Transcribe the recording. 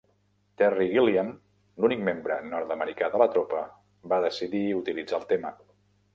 Terry Gilliam, l'únic membre nord-americà de la tropa, va decidir utilitzar el tema.